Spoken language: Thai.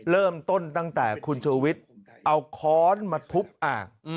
เริ่มต้นตั้งแต่คุณชูวิทย์เอาค้อนมาทุบอ่าง